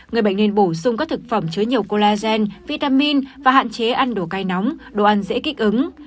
người bệnh nên bổ sung các thực phẩm chứa nhiều colagen vitamin và hạn chế ăn đồ cây nóng đồ ăn dễ kích ứng